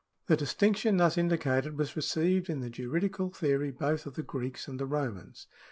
. The distinction thus indicated was received in the juridical theory both of the Greeks and the Romans.